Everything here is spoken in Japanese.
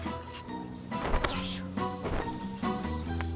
よいしょ。